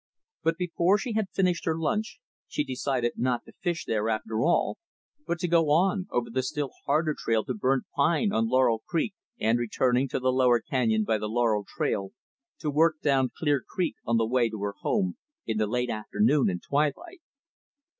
But, before she had finished her lunch, she decided not to fish there, after all; but to go on, over the still harder trail to Burnt Pine on Laurel Creek, and, returning to the lower canyon by the Laurel trail, to work down Clear Creek on the way to her home, in the late afternoon and twilight.